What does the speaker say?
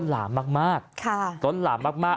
ล้นหลามมาก